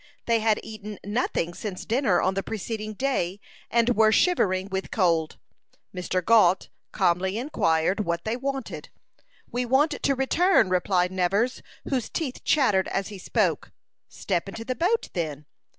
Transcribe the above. They had eaten nothing since dinner on the preceding day, and were shivering with cold. Mr. Gault calmly inquired what they wanted. "We want to return," replied Nevers, whose teeth chattered as he spoke. "Step into the boat, then."